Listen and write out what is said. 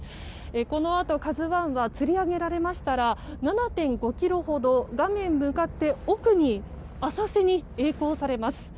このあと、「ＫＡＺＵ１」はつり上げられましたら７．５ｋｍほど画面向かって奥の浅瀬に曳航されます。